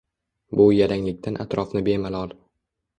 Bu yalanglikdan atrofni bemalol.